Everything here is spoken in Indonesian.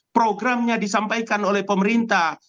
programnya disampaikan oleh pemerintah